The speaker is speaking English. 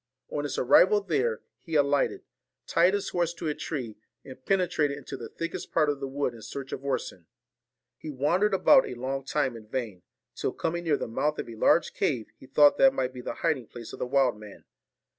On his arrival there, he alighted, tied his horse to a tree, and penetrated into the thickest part of the wood in search of Orson. He wandered about a long time in vain; till coming near the mouth of a large cave, he thought that might be the hiding place of the wild man.